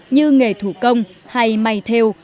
như nghề thủ công hay may theo